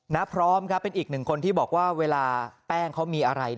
พร้อมครับเป็นอีกหนึ่งคนที่บอกว่าเวลาแป้งเขามีอะไร